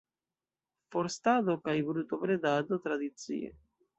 Forstado kaj brutobredado tradicie.